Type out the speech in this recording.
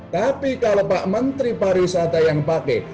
tapi kalau pak menteri pariwisata yang pakai